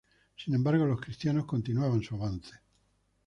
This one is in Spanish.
Sin embargo, los cristianos continuaban su avance.